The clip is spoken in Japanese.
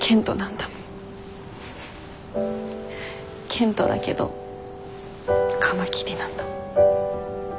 賢人だけどカマキリなんだもん。